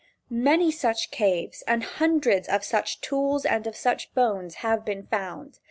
Many such caves and hundreds of such tools, and of such bones have been found.